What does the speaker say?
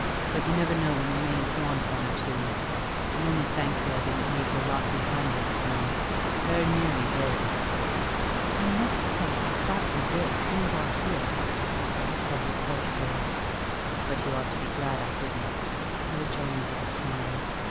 But you never know when you mayn't want one or two. I'm only thankful I didn't leave the lot behind this time. I very nearly did." "I must say I thought you would, coming down here," I said reproachfully. "But you ought to be glad I didn't," he rejoined with a smile.